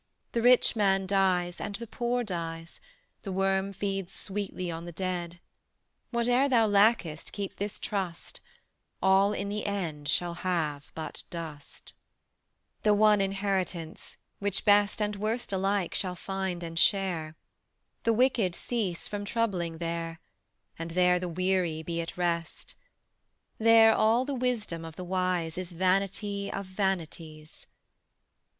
The rich man dies; and the poor dies; The worm feeds sweetly on the dead. Whate'er thou lackest, keep this trust: All in the end shall have but dust: The one inheritance, which best And worst alike shall find and share: The wicked cease from troubling there, And there the weary be at rest; There all the wisdom of the wise Is vanity of vanities.